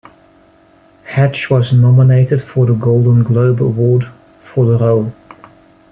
Hatch was nominated for a Golden Globe Award for the role.